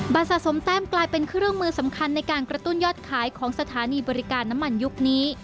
สะสมแต้มกลายเป็นเครื่องมือสำคัญในการกระตุ้นยอดขายของสถานีบริการน้ำมันยุคนี้